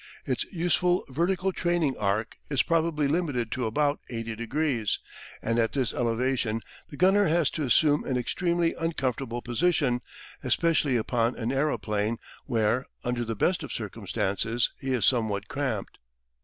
Its useful vertical training arc is probably limited to about 80 degrees, and at this elevation the gunner has to assume an extremely uncomfortable position, especially upon an aeroplane, where, under the best of circumstances, he is somewhat cramped.